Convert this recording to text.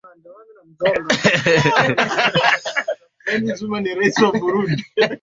yake Uturuki inachukuliwa kuwa katika Ulaya ya kusini